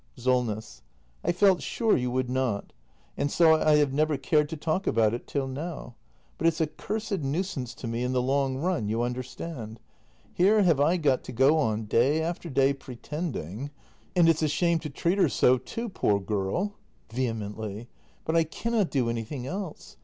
SOLNESS. I felt sure you would not; and so I have never cared to talk about it till now. — But it's a cursed nuisance to me in the long run, you understand. Here have I got to go on day after day pretending . And it's a shame to 278 THE MASTER BUILDER [act i treat her so, too, poor girl. [Vehemently.] But lea n n o t do anything else.